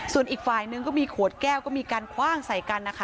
ส่วนอีกฝ่ายนึงก็มีขวดแก้วก็มีการคว่างใส่กันนะคะ